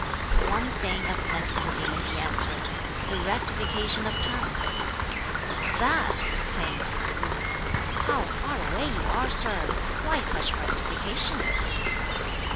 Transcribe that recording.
"One thing of necessity," he answered "the rectification of terms." "That!" exclaimed Tsz lu. "How far away you are, sir! Why such rectification?"